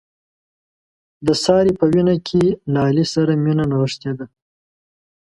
د سارې په وینه کې له علي سره مینه نغښتې ده.